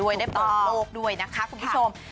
วิ่งกัน